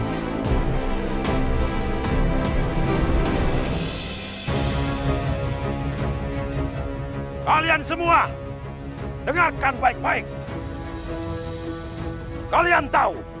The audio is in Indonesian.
jadi arduino simple ini sedang digunakannya terhadap rara santang observasi